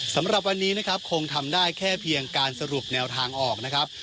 สำหรับวันนี้นะครับคงทำได้แค่เพียงการสรุปแนวทางออกนะครับ